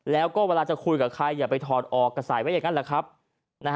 แล้วก็เวลาจะคุยกับใครอย่าไปถอดออกกับสายไว้อย่างนั้น